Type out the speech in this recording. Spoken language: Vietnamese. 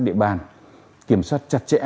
địa bàn kiểm soát chặt chẽ